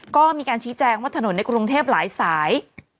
ก็มีการชี้แจงว่าถนนในกรุงเทพหลายสาย